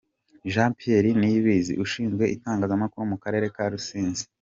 Jean Pierre Niyibizi ushinzwe itangazamakuru mu Karere ka Rusizi.